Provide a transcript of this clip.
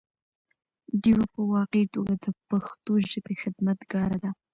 ډيوه په واقعي توګه د پښتو ژبې خدمتګاره ده